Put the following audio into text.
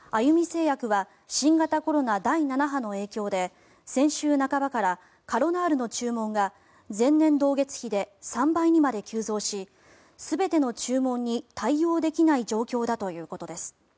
製薬は新型コロナ第７波の影響で先週半ばからカロナールの注文が前年同月比で３倍にまで急増し全ての注文に対応できない状況だということです。